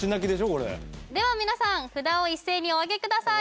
これでは皆さん札を一斉におあげください